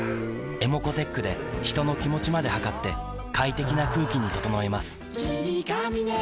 ｅｍｏｃｏーｔｅｃｈで人の気持ちまで測って快適な空気に整えます